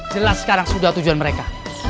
jelas sekarang sudah tujuan mereka